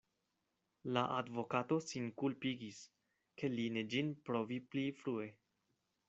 La advokato sin kulpigis, ke li ne ĝin provi pli frue.